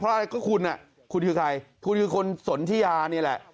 เพราะอะไรก็คุณอ่ะคุณคุณคือใครคุณคือคนสนทิยานี่แหละ